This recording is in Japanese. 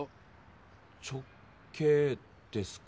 「直径」ですか。